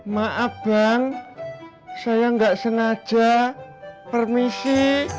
maaf bang saya nggak sengaja permisi